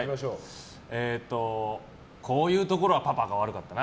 こういうところはパパが悪かったな。